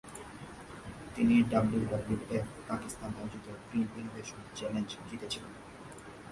তিনি ডাব্লিউডাব্লিউএফ-পাকিস্তান আয়োজিত green innovation challenge জিতেছিলেন।